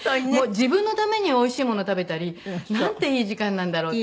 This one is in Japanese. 自分のためにおいしいものを食べたりなんていい時間なんだろうって。